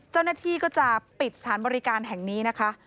เจ้าหน้าที่ก็จะปิดสถานบริการแห่งนี้นะคะ